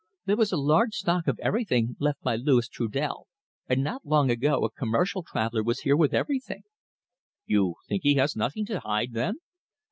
"There was a large stock of everything left by Louis Trudel, and not long ago a commercial traveller was here with everything." "You think he has nothing to hide, then?"